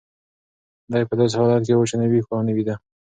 دی په داسې حالت کې و چې نه ویښ و او نه ویده.